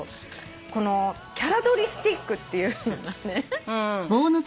このキャラ撮りスティックっていうのがあるのね。